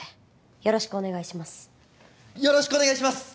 よろしくお願いします！